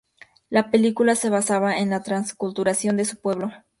La película se basaba en la transculturación de su pueblo.